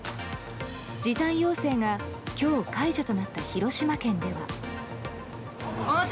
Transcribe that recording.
時短要請が今日解除となった広島県では。